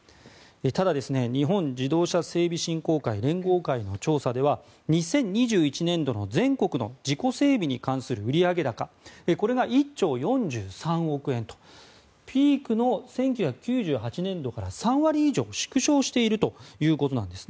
ただ日本自動車整備振興会連合会その調査では２０２１年度の全国の事故整備に関する売上高これが１兆４３億円とピークの１９９８年度から３割以上縮小しているということなんです。